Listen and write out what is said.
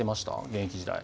現役時代。